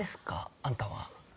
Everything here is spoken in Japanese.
あんたは。